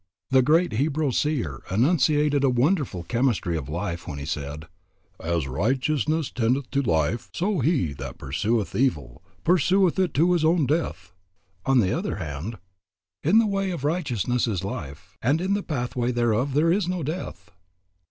The great Hebrew seer enunciated a wonderful chemistry of life when he said, "As righteousness tendeth to life, so he that pursueth evil, pursueth it to his own death." On the other hand, "In the way of righteousness is life; and in the pathway thereof there is no death."